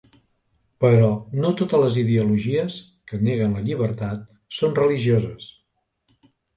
Però no totes les ideologies que neguen la llibertat són religioses.